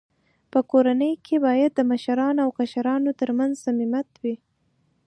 په کورنۍ کي باید د مشرانو او کشرانو ترمنځ صميميت وي.